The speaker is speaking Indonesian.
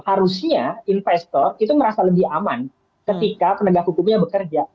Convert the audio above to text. harusnya investor itu merasa lebih aman ketika penegak hukumnya bekerja